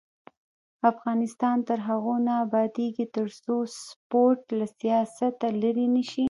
افغانستان تر هغو نه ابادیږي، ترڅو سپورټ له سیاسته لرې نشي.